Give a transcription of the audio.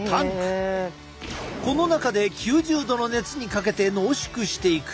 この中で９０度の熱にかけて濃縮していく。